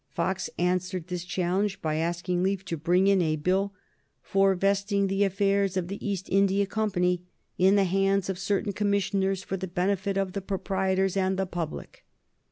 Fox answered this challenge by asking leave to bring in a bill "for vesting the affairs of the East India Company in the hands of certain commissioners for the benefit of the proprietors and the public."